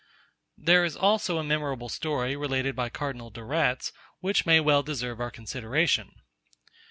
There is also a memorable story related by Cardinal de Retz, which may well deserve our consideration.